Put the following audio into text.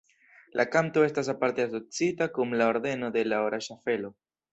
La kanto estas aparte asociita kun la Ordeno de la Ora Ŝaffelo.